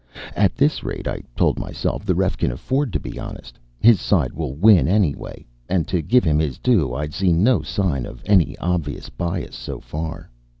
At this rate, I told myself, the ref can afford to be honest; his side will win anyway. And to give him his due, I'd seen no sign of any obvious bias so far.